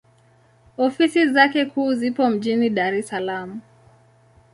Ofisi zake kuu zipo mjini Dar es Salaam.